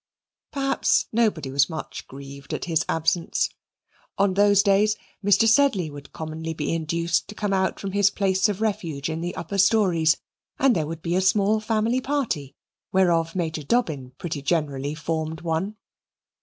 Perhaps nobody was much grieved at his absence. On those days Mr. Sedley would commonly be induced to come out from his place of refuge in the upper stories, and there would be a small family party, whereof Major Dobbin pretty generally formed one.